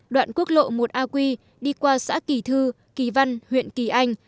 đoạn quốc lộ một aq đi qua xã kỳ thư kỳ văn huyện kỳ anh